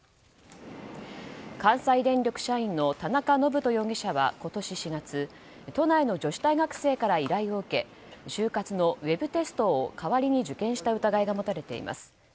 関西電力社員の田中信人容疑者は今年４月都内の女子大学生から依頼を受け就活のウェブテストを代わりに受験した疑いが持たれています。